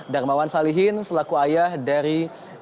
darmawan salihin selaku ayah dari